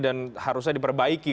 dan harusnya diperbaiki